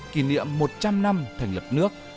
kỷ niệm một trăm linh năm thành lập nước